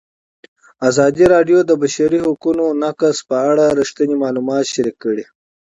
ازادي راډیو د د بشري حقونو نقض په اړه رښتیني معلومات شریک کړي.